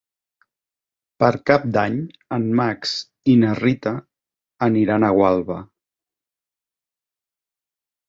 Per Cap d'Any en Max i na Rita aniran a Gualba.